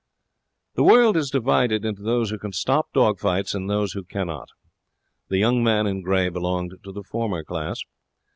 The world is divided into those who can stop dog fights and those who cannot. The young man in grey belonged to the former class.